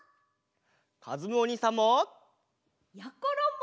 かずむおにいさんも！やころも！